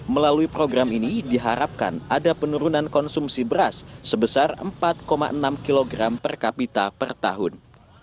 melalui program ini diharapkan ada penurunan konsumsi beras sebesar empat enam kg per kapita per tahun